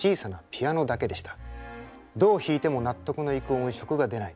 どう弾いても納得のいく音色が出ない。